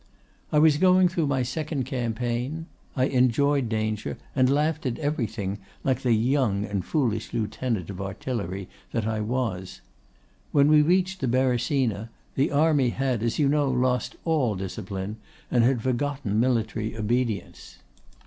"I was going through my second campaign; I enjoyed danger, and laughed at everything, like the young and foolish lieutenant of artillery that I was. When we reached the Beresina, the army had, as you know, lost all discipline, and had forgotten military obedience.